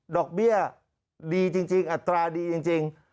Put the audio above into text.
ดอกเบี้ยดีจริงอัตราดีจริง